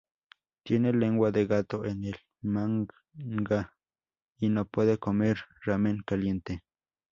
Tiene lengua de gato en el manga y no puede comer ramen caliente.